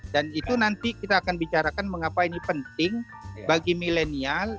dan itu nanti kita akan bicarakan mengapa ini penting bagi milenial